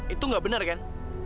itu nggak bener kan